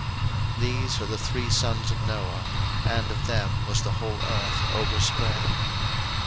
01:009:019 These are the three sons of Noah: and of them was the whole earth overspread.